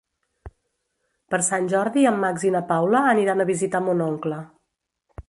Per Sant Jordi en Max i na Paula aniran a visitar mon oncle.